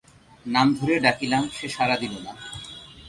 নাম ধরিয়া ডাকিলাম, সে সাড়া দিল না।